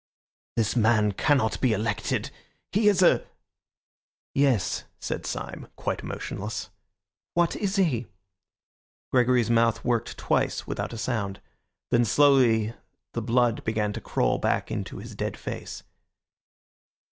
"This man cannot be elected. He is a—" "Yes," said Syme, quite motionless, "what is he?" Gregory's mouth worked twice without sound; then slowly the blood began to crawl back into his dead face.